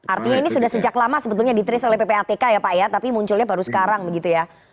artinya ini sudah sejak lama sebetulnya di trace oleh ppatk ya pak ya tapi munculnya baru sekarang begitu ya